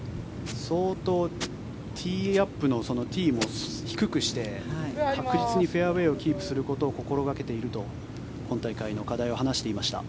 相当ティーアップのティーも低くして確実にフェアウェーをキープすることを心掛けていると今大会の課題を話していました。